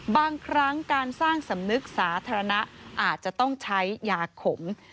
บางครั้งการสร้างสำนึกสาธารณะอาจจะต้องใช้ยาขม